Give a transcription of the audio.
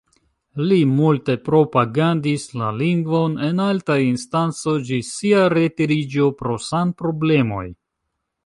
Li multe propagandis la lingvon en altaj instancoj, ĝis sia retiriĝo pro sanproblemoj.